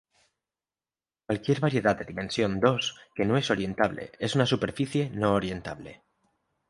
Cualquier variedad de dimensión dos que no es orientable es una superficie no-orientable.